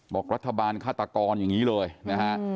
บอกรัฐบาลฆาตกรอย่างนี้เลยนะฮะ